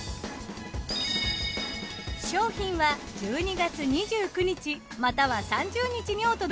商品は１２月２９日又は３０日にお届けします。